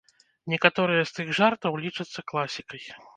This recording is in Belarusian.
Некаторыя з тых жартаў лічацца класікай.